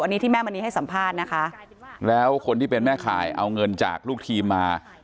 อันนี้ที่แม่มณีให้สัมภาษณ์นะคะแล้วคนที่เป็นแม่ข่ายเอาเงินจากลูกทีมมา